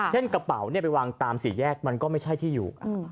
กระเป๋าไปวางตามสี่แยกมันก็ไม่ใช่ที่อยู่